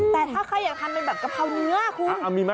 แต่ถ้าใครอยากทำเป็นแบบกะเพราเนื้อคุณ